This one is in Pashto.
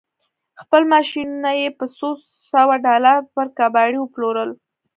خپل ماشينونه يې په څو سوه ډالر پر کباړي وپلورل.